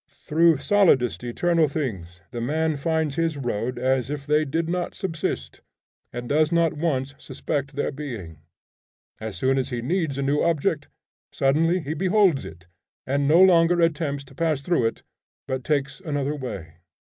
Through solidest eternal things the man finds his road as if they did not subsist, and does not once suspect their being. As soon as he needs a new object, suddenly he beholds it, and no longer attempts to pass through it, but takes another way.